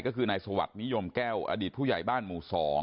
ก็คือนายสวัสดิ์นิยมแก้วอดีตผู้ใหญ่บ้านหมู่๒